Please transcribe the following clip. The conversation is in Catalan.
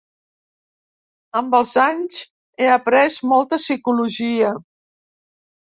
Amb els anys he après molta psicologia.